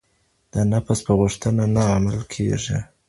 د نفس په غوښتنه نه عمل کېږي.